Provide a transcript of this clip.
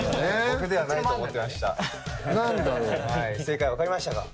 正解分かりましたか？